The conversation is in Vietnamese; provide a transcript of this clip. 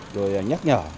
rồi nhắc nhở